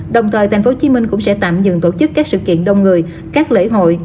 đồng thời tp hcm cũng sẽ tạm dừng tổ chức các sự kiện đông người các lễ hội